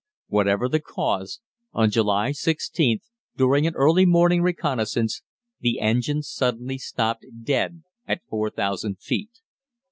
Whatever the cause, on July 16th, during an early morning reconnaissance, the engine suddenly stopped dead at 4000 feet.